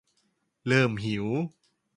เริ่มหิว